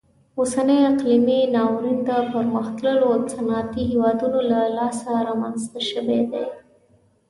اوسنی اقلیمي ناورین د پرمختللو صنعتي هیوادونو له لاسه رامنځته شوی دی.